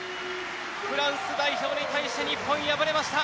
フランス代表に対して日本敗れました。